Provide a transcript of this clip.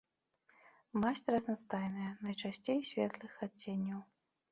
Масць разнастайная, найчасцей светлых адценняў.